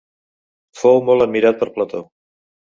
Fou molt admirat per Plató.